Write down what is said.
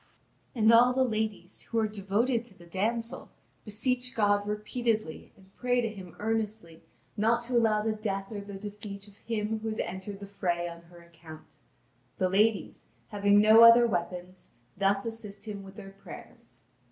And all the ladies, who are devoted to the damsel, beseech God repeatedly and pray to Him earnestly not to allow the death or the defeat of him who has entered the fray on her account. The ladies, having no other weapons, thus assist him with their prayers.